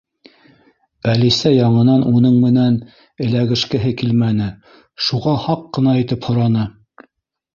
Әлисә яңынан уның менән эләгешкеһе килмәне, шуға һаҡ ҡына итеп һораны: